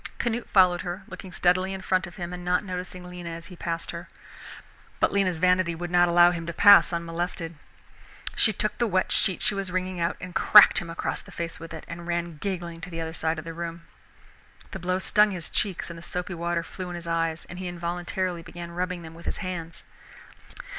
Canute followed her, looking steadily in front of him and not noticing Lena as he passed her. But Lena's vanity would not allow him to pass unmolested. She took the wet sheet she was wringing out and cracked him across the face with it, and ran giggling to the other side of the room. The blow stung his cheeks and the soapy water flew in his eyes, and he involuntarily began rubbing them with his hands.